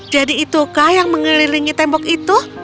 jadi itukah yang mengelilingi tembok itu